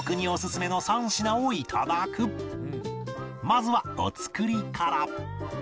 まずはお造りから